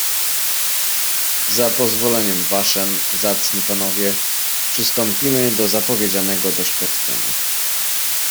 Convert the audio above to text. "Za pozwoleniem waszem, zacni panowie, przystąpimy do zapowiedzianego doświadczenia."